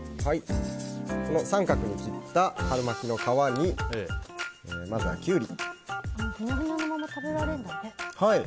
三角に切った春巻きの皮にまずはキュウリ。